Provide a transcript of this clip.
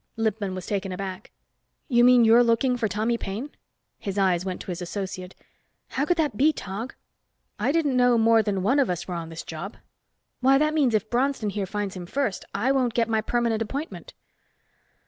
Lippman was taken aback. "You mean you're looking for Tommy Paine?" His eyes went to his associate. "How could that be, Tog? I didn't know more than one of us were on this job. Why, that means if Bronston here finds him first, I won't get my permanent appointment."